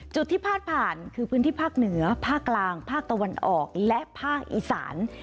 จุดที่พาดผ่านคือพื้นที่ภาคเหนือภาคกลางภาคตะวันออกและภาคอีสาน